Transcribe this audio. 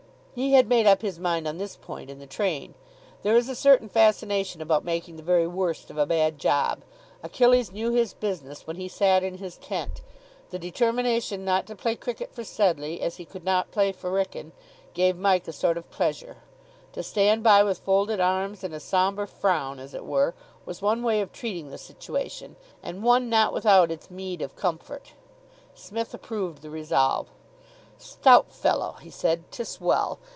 He had made up his mind on this point in the train. There is a certain fascination about making the very worst of a bad job. Achilles knew his business when he sat in his tent. The determination not to play cricket for Sedleigh as he could not play for Wrykyn gave Mike a sort of pleasure. To stand by with folded arms and a sombre frown, as it were, was one way of treating the situation, and one not without its meed of comfort. Psmith approved the resolve. "Stout fellow," he said. "'Tis well.